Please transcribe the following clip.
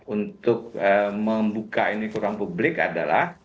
untuk membuka ini ke ruang publik adalah